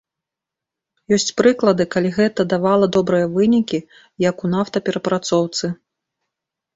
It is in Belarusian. Ёсць прыклады, калі гэта давала добрыя вынікі, як у нафтаперапрацоўцы.